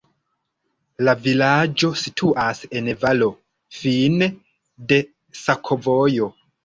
La vilaĝo situas en valo, fine de sakovojo.